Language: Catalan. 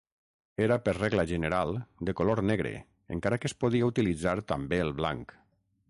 Era per regla general de color negre encara que es podia utilitzar també el blanc.